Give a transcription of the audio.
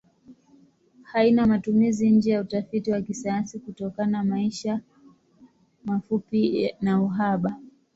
Haina matumizi nje ya utafiti wa kisayansi kutokana maisha mafupi na uhaba.